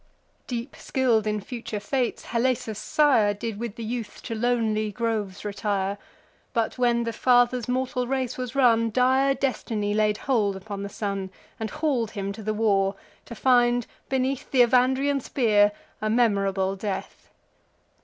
Deep skill'd in future fates, Halesus' sire Did with the youth to lonely groves retire: But, when the father's mortal race was run, Dire destiny laid hold upon the son, And haul'd him to the war, to find, beneath Th' Evandrian spear, a memorable death.